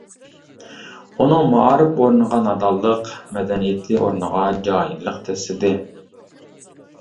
ئۇنىڭ مائارىپ ئورنىغا نادانلىق، مەدەنىيىتى ئورنىغا جاھىللىق دەسسىدى.